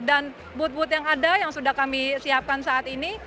dan booth booth yang ada yang sudah kami siapkan saat ini